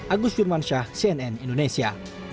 agus jurmansyah cnn indonesia